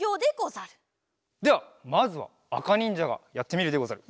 ではまずはあかにんじゃがやってみるでござる。